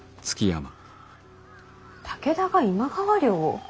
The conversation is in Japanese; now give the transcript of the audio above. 武田が今川領を？